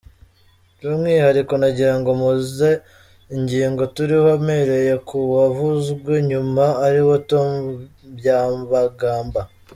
By’ umwihariko nagirango mpunze ingingo turiho mpereye kuwavuzwe nyuma ari we Tom Byabagamba.